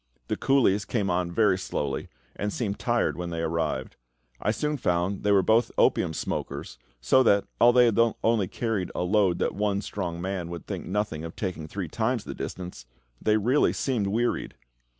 The coolies came on very slowly, and seemed tired when they arrived. I soon found that they were both opium smokers, so that, although they had only carried a load that one strong man would think nothing of taking three times the distance, they really seemed wearied.